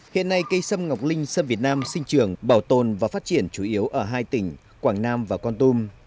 hiện nay cây sâm ngọc linh sâm việt nam sinh trường bảo tồn và phát triển chủ yếu ở hai tỉnh quảng nam và con tum